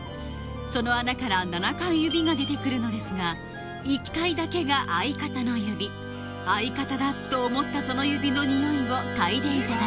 その穴から７回指が出てくるのですが１回だけが相方の指相方だと思ったその指のニオイを嗅いでいただきます